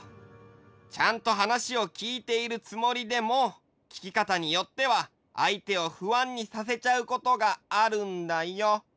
ちゃんと話を聞いているつもりでも聞きかたによっては相手をふあんにさせちゃうことがあるんだよ。